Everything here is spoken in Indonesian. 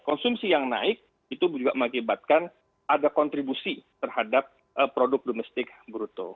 konsumsi yang naik itu juga mengakibatkan ada kontribusi terhadap produk domestik bruto